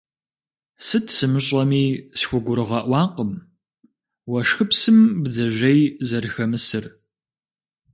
Сыт сымыщӀэми схугурыгъэӀуакъым уэшхыпсым бдзэжьей зэрыхэмысыр.